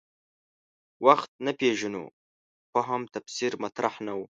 وخت نه پېژنو فهم تفسیر مطرح نه و.